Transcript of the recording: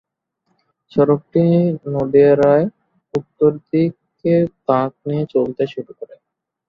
সড়কটি নদিয়ারায় উত্তর দিকে বাঁক নিয়ে চলতে শুরু করে।